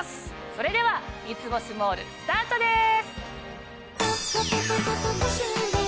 それでは『三ツ星モール』スタートです。